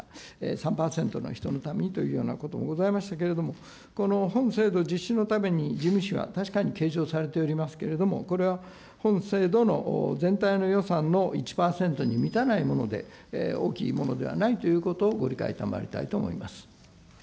３％の人のためにというようなこともございましたけれども、この本制度実施のために、事務費は確かに計上されておりますけれども、これは本制度の全体の予算の１％に満たないもので、大きいものではないということをご理解賜りたいと思います。